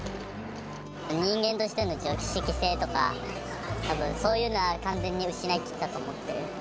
人間としての常識性とか、たぶんそういうのは完全に失い切ったと思ってる。